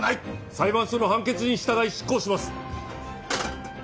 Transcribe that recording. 裁判所の判決に従い執行します。